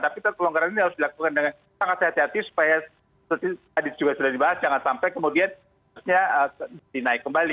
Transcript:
tapi pelonggaran ini harus dilakukan dengan sangat hati hati supaya tadi juga sudah dibahas jangan sampai kemudian dinaik kembali